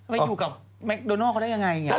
ไปอยู่กับแมคโดนัลเขาได้ยังไง